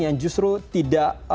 yang justru tidak